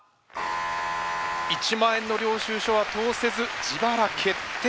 １万円の領収書は通せず自腹決定。